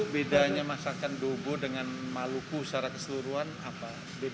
bedanya masakan dobo dengan maluku secara keseluruhan apa